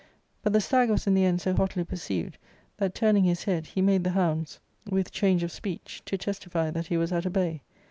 But the stag was in the end so hotly pursued that, turning his head, he made the hounds, with change of speech, to testify that he was at a bay.